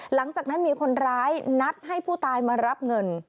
หลังจากนั้นมีคนร้ายนัดให้ผู้ตายมารับเงิน